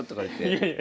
いやいや。